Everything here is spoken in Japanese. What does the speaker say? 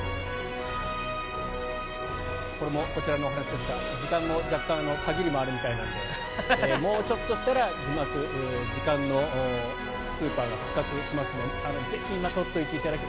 これもこちらのお話ですが時間の限りもあるみたいなのでもうちょっとしたら字幕、時間のスーパーが復活しますのでぜひ、今撮っていただいて。